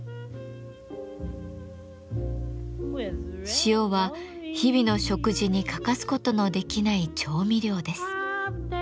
塩は日々の食事に欠かすことのできない調味料です。